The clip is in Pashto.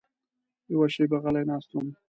یوه شېبه غلی ناست وم.